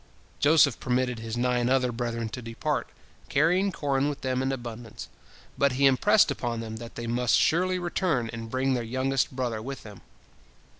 Joseph permitted his nine other brethren to depart, carrying corn with them in abundance, but he impressed upon them that they must surely return and bring their youngest brother with them.